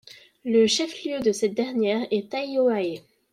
Le chef-lieu de cette dernière est Taiohae.